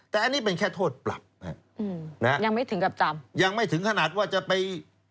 แต่อันนี้เป็นแค่โทษปรับยังไม่ถึงขนาดว่าจะไป